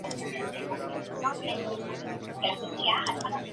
La localidad constituye una entidad de ámbito territorial inferior al municipio.